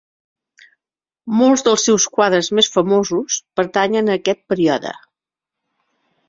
Molts dels seus quadres més famosos pertanyen a aquest període.